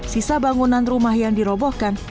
sisa bangunan rumah yang dirobohkan